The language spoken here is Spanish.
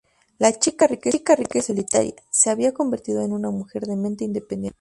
La "chica rica y solitaria" se había convertido en "una mujer de mente independiente".